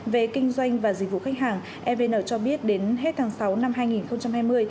về kinh doanh và dịch vụ khách hàng evn cho biết đến hết tháng sáu năm hai nghìn hai mươi